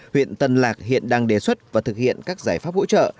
huyện tân lạc hiện đang đề xuất và thực hiện các giải pháp hỗ trợ